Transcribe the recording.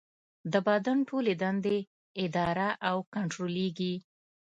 د بدن ټولې دندې اداره او کنټرولېږي.